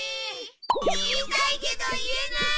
言いたいけど言えない！